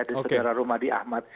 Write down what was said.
dari sejarah rumadi ahmad